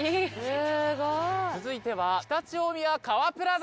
続いては。